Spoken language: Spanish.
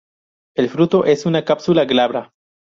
El fruto es una cápsula glabra.